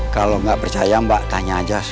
kalau nggak percaya mbak tanya aja